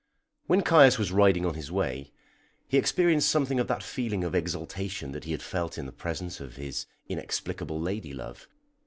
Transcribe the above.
When Caius was riding on his way, he experienced something of that feeling of exaltation that he had felt in the presence of his inexplicable lady love.